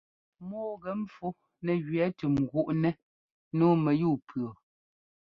Mɔ́ɔ gɛ pfú nɛgẅɛɛ tʉ́m gúꞌnɛ́ nǔu mɛyúu-pʉɔ.